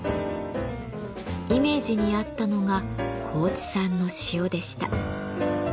イメージに合ったのが高知産の塩でした。